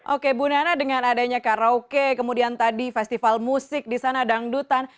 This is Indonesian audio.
oke bu nana dengan adanya karaoke kemudian tadi festival musik di sana dangdutan